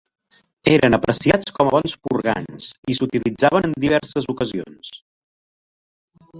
Eren apreciats com a bons purgants, i s'utilitzaven en diverses ocasions.